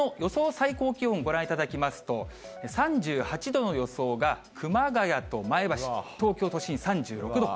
最高気温、ご覧いただきますと、３８度の予想が熊谷と前橋、東京都心３６度。